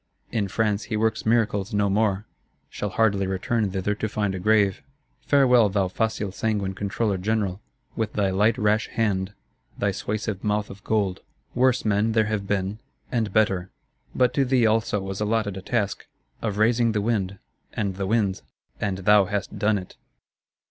In France he works miracles no more; shall hardly return thither to find a grave. Farewell, thou facile sanguine Controller General, with thy light rash hand, thy suasive mouth of gold: worse men there have been, and better; but to thee also was allotted a task,—of raising the wind, and the winds; and thou hast done it.